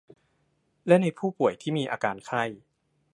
และในผู้ป่วยที่มีอาการไข้